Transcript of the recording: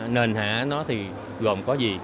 nền hạ nó thì gồm có gì